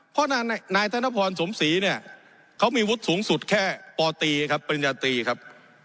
เพราะนายธนพรสมศรีเนี่ยเขามีวุฒิสูงสุดแค่ปตีครับปริญญาตรีครับ